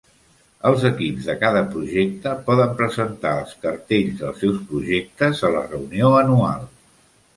Els equips de cada projecte poden presentar els cartells dels seus projectes a la reunió anual.